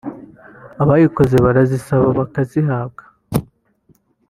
abayikoze barazisaba bakazihabwa